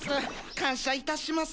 感謝いたします